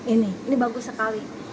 ini ini bagus sekali